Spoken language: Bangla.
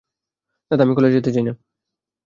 দাদা, আমি কলেজে যেতে চাই না।